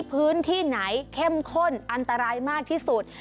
พื้นที่ไหนเข้มข้นอันตรายมากที่สุด